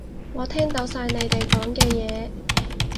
我聽到晒你哋講嘅嘢